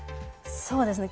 そうですね。